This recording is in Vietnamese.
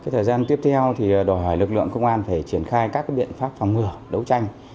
thời gian tiếp theo thì đòi hỏi lực lượng công an phải triển khai các biện pháp phòng ngừa đấu tranh